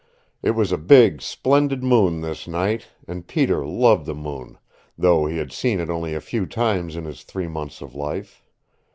It was a big, splendid moon this night, and Peter loved the moon, though he had seen it only a few times in his three months of life.